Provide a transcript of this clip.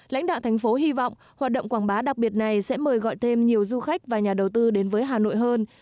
lãnh đạo thành phố hy vọng hoạt động quảng bá đặc biệt này sẽ mời gọi thêm nhiều du khách và nhà đầu tư đến với hà nội hơn